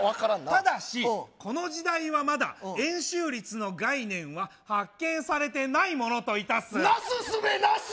ただしこの時代はまだ円周率の概念は発見されてないものといたすなすすべなし！